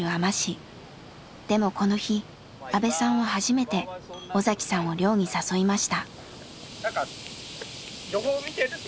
でもこの日阿部さんは初めて尾さんを漁に誘いました。